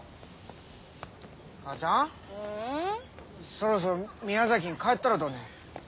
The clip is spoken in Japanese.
そろそろ宮崎に帰ったらどうね？